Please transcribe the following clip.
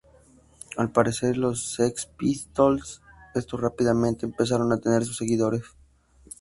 Al aparecer los Sex Pistols, estos rápidamente empezaron a tener sus seguidores.